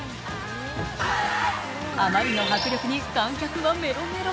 あまりの迫力に、観客はメロメロ。